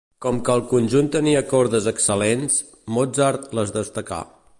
Com que el conjunt tenia cordes excel·lents, Mozart les destacà.